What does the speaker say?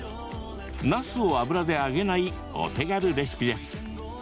なすを油で揚げないお手軽レシピです。